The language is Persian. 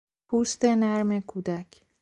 پوست نرم کودک